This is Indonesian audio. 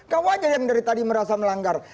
kau aja yang dari tadi merasa melanggar